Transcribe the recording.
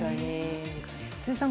辻さん